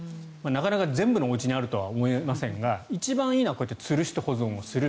なかなか全部のおうちにあるとは思いませんが一番いいのはこうやってつるして保存する。